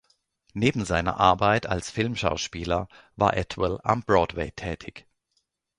Neben seiner Arbeit als Filmschauspieler war Atwell am Broadway tätig.